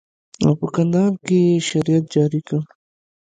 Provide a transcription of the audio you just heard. او په کندهار کښې يې شريعت جاري کړى.